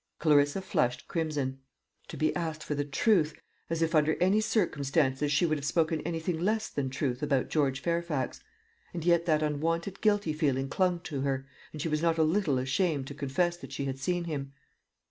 Clarissa flushed crimson. To be asked for the truth, as if, under any circumstances, she would have spoken anything less than truth about George Fairfax! And yet that unwonted guilty feeling clung to her, and she was not a little ashamed to confess that she had seen him.